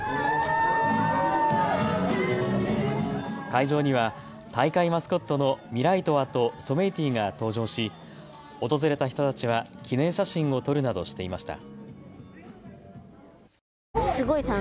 会場には大会マスコットのミライトワとソメイティが登場し、訪れた人たちは記念写真を撮るなどしていました。